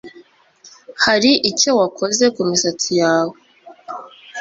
Hari icyo wakoze kumisatsi yawe